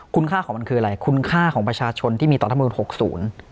คุณค่าของมันคืออะไรคุณค่าของประชาชนที่มีตรธมูล๖๐